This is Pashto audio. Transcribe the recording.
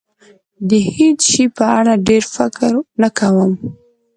د هېڅ شي په اړه ډېر فکر نه کوم.